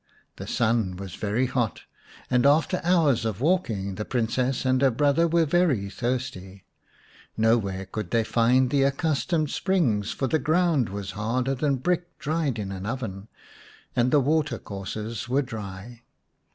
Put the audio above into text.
The sun was very hot, and after hours of walking the Princess and her brother were very thirsty. Nowhere could they find the accustomed springs, for the ground was harder than brick dried in an oven, and the water courses were dry.